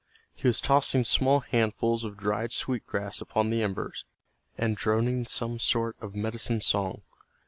He was tossing small handfuls of dried sweet grass upon the embers, and droning some sort of medicine song.